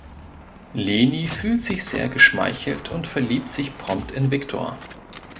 Leni fühlt sich sehr geschmeichelt und verliebt sich prompt in Viktor.